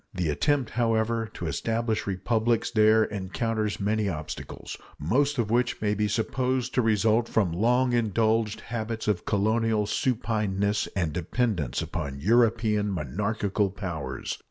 The attempt, however, to establish republics there encounters many obstacles, most of which may be supposed to result from long indulged habits of colonial supineness and dependence upon European monarchical powers.